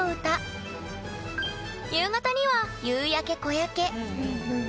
夕方には「夕焼け小焼け」。